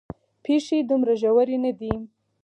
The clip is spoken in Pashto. پېښې دومره ژورې نه دي.